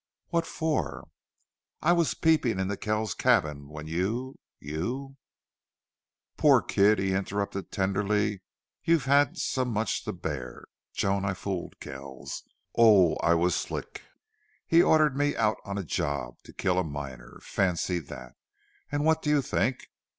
"What for?" "I was peeping into Kells's cabin, when you you " "Poor kid!" he interrupted, tenderly. "You've had so much to bear!... Joan, I fooled Kells. Oh, I was slick!... He ordered me out on a job to kill a miner! Fancy that! And what do you think?